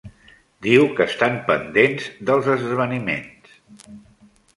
Diu que estan pendents dels esdeveniments.